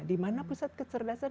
di mana pusat kecerdasan